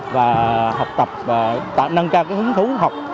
và học tập và nâng cao hứng thú học